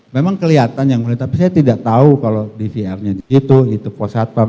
memang kelihatan yang mulia tapi saya tidak tahu kalau dvr nya di situ itu pos satpam